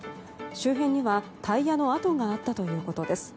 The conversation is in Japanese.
周辺にはタイヤの跡があったということです。